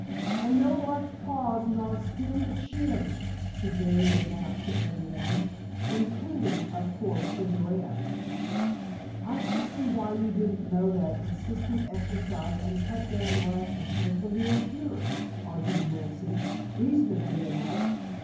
"And no barked paws nor skinned shins," she gayly announced to everyone, including, of course, the Durands. "I can't see why you didn't know that insistent exercise and cut down rations was the real cure," argued Nancy, reasonably enough.